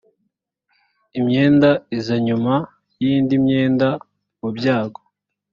imyenda iza nyuma y indi myenda mubyago